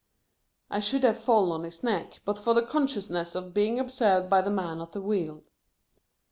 I should have fallen on his neck, but for the consciousness of being observed by the man at the wheel.